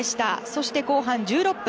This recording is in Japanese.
そして後半１６分。